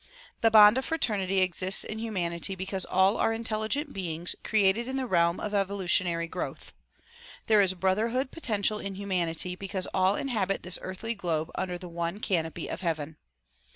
The bond of fraternity exists in humanity because all are intelligent beings created in the realm of evolutionary growth. There is brotherhood potential in humanity because all inhabit this earthly globe under the one canopy of heaven.